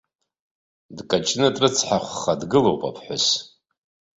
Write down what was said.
Дкаҷны, дрыцҳахәха дгылоуп аԥҳәыс.